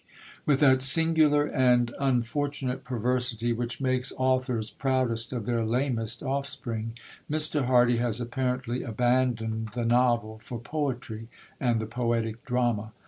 With that singular and unfortunate perversity which makes authors proudest of their lamest offspring, Mr. Hardy has apparently abandoned the novel for poetry and the poetic drama.